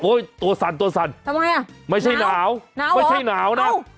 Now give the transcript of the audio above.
โอ๊ยตัวสั่นไม่ใช่หนาวไม่ใช่หนาวน่ะ